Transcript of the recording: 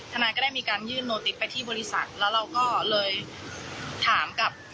ทนายก็ได้มีการยื่นโนติกไปที่บริษัทแล้วเราก็เลยถามกับ